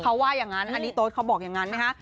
เขาว่าอย่างนั้นอันนี้โต๊ดเขาบอกอย่างนั้นนะคะ